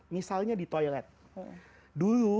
misalnya di toilet dulu